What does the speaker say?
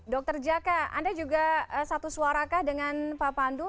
dr jaka anda juga satu suara kah dengan pak pandu